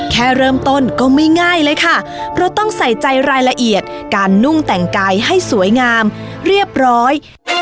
แค่เริ่มต้นก็ไม่ง่ายเลยค่ะเพราะต้องใส่ใจรายละเอียดการนุ่งแต่งกายให้สวยงามเรียบร้อย